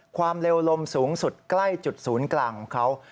ความเร็วลมสูงสุดใกล้จุดศูนย์กลางของเขา